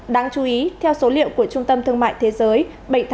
đáng chú ý theo số liệu của trung tâm thương mại thế giới